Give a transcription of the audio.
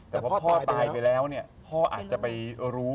แต่ว่าพ่อตายไปแล้วเนี่ยพ่ออาจจะไปรู้